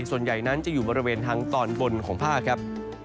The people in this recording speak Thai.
ส่วนใหญ่นั้นจะอยู่บริเวณทางตอนบนของภาคครับ